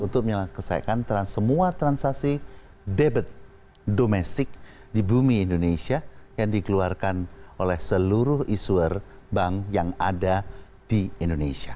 untuk menyelesaikan semua transaksi debit domestik di bumi indonesia yang dikeluarkan oleh seluruh issuer bank yang ada di indonesia